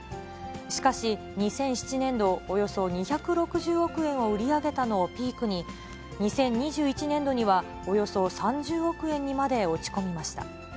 しかし、２００７年度、およそ２６０億円を売り上げたのをピークに、２０２１年度にはおよそ３０億円にまで落ち込みました。